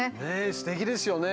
すてきですよね。